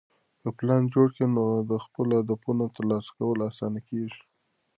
که پلان جوړ کړې، نو د خپلو هدفونو ترلاسه کول اسانه کېږي.